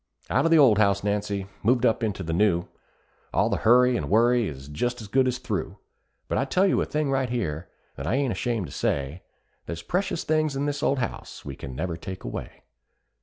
Out of the old house, Nancy moved up into the new; All the hurry and worry is just as good as through; But I tell you a thing right here, that I ain't ashamed to say, There's precious things in this old house we never can take away.